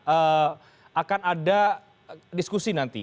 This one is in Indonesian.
eee akan ada diskusi nanti